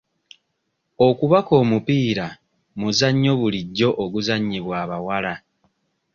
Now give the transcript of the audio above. Okubaka omupiira muzannyo bulijjo oguzannyibwa abawala.